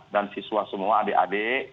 dan siswa semua adik adik